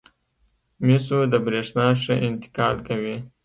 مسو د برېښنا ښه انتقال کوي.